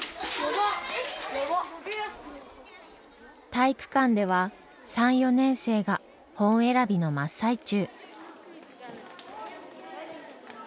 体育館では３４年生が本選びの真っ最中。